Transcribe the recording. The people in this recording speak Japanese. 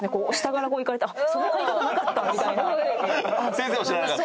先生も知らなかった？